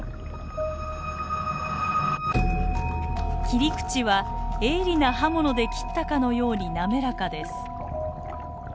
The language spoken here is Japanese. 切り口は鋭利な刃物で切ったかのように滑らかです。